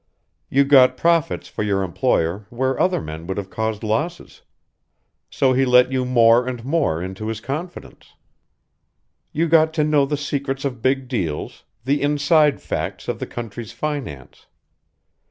You got profits for your employer where other men would have caused losses. So he let you more and more into his confidence. "You got to know the secrets of big deals, the inside facts of the country's finance.